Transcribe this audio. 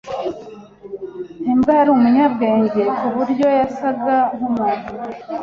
Imbwa yari umunyabwenge kuburyo yasaga nkumuntu.